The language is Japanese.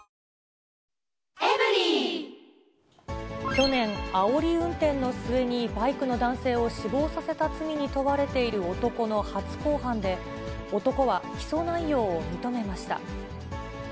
去年、あおり運転の末に、バイクの男性を死亡させた罪に問われている男の初公判で、男は起訴内容を認めました。